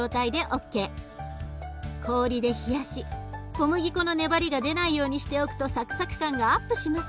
氷で冷やし小麦粉の粘りが出ないようにしておくとサクサク感がアップします。